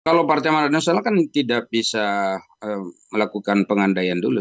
kalau partai amanat nasional kan tidak bisa melakukan pengandaian dulu